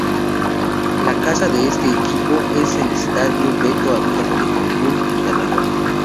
La casa de este equipo es el estadio Beto Ávila de Cancún, Quintana Roo.